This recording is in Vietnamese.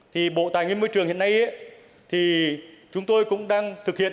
thì bộ tài nguyên môi trường hiện nay thì chúng tôi cũng đang thực hiện